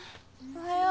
おはよう。